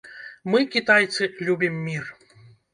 Мы, кітайцы, любім мір.